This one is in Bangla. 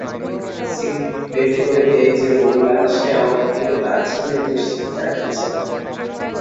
সিট বের করে দেয় যে মহিলা সে আমাদের দিকে তাচ্ছিল্যের দৃষ্টিতে তাকিয়েছিল।